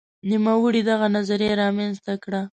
نوموړي دغه نظریه رامنځته کړه.